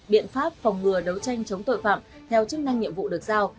biện pháp phòng ngừa đấu tranh chống tội phạm theo chức năng nhiệm vụ được giao